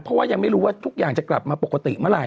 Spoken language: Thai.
เพราะว่ายังไม่รู้ว่าทุกอย่างจะกลับมาปกติเมื่อไห